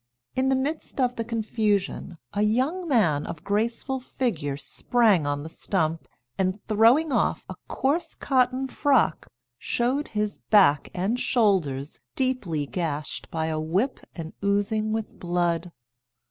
In the midst of the confusion, a young man of graceful figure sprang on the stump, and, throwing off a coarse cotton frock, showed his back and shoulders deeply gashed by a whip and oozing with blood.